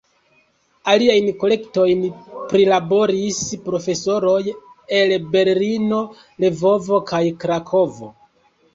Aliajn kolektojn prilaboris profesoroj el Berlino, Lvovo kaj Krakovo.